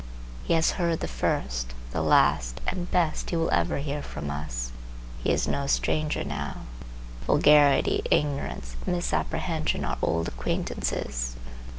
He has heard the first, the last and best he will ever hear from us. He is no stranger now. Vulgarity, ignorance, misapprehension are old acquaintances.